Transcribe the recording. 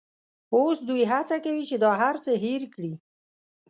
اوس دوی هڅه کوي چې دا هرڅه هېر کړي.